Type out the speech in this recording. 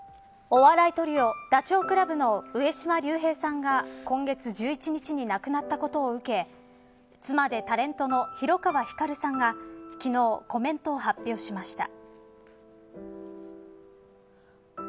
お笑いトリオダチョウ倶楽部の上島竜兵さんが今月１７日に亡くなったことを受け妻でタレントの広川ひかるさんが昨日、コメントを発表しました。